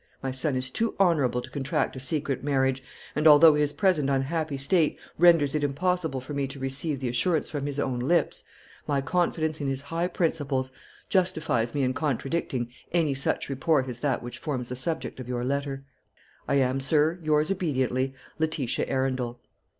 My son is too honourable to contract a secret marriage; and although his present unhappy state renders it impossible for me to receive the assurance from his own lips, my confidence in his high principles justifies me in contradicting any such report as that which forms the subject of your letter. "I am, sir, "Yours obediently, "LETITIA ARUNDEL."